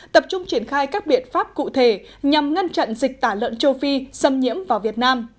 tập trung triển khai các biện pháp cụ thể nhằm ngăn chặn dịch tả lợn châu phi xâm nhiễm vào việt nam